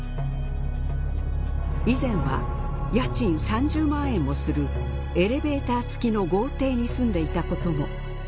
以前は家賃３０万円もするエレベーター付きの豪邸に住んでいたことも。